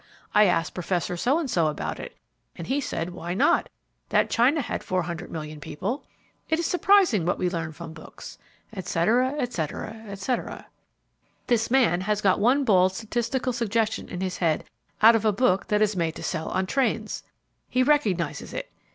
I asked Prof. So and So about it and he said why not: that China had 400,000,000 people. It is surprising what we learn from books," etc., etc., etc. This man has got one bald statistical suggestion in his head out of a book that is made to sell on trains. He recognizes it.